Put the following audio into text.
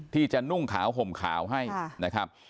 ที่จะนุ่งเข้าห่มเข้าให้นะครับ